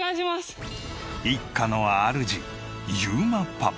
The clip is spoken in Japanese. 一家のあるじ裕磨パパ。